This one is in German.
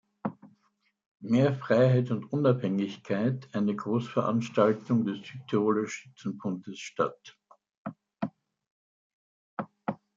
Mehr Freiheit und Unabhängigkeit" eine Großveranstaltung des Südtiroler Schützenbundes statt.